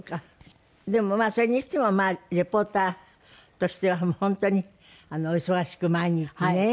でもまあそれにしてもリポーターとしては本当にお忙しく毎日ね。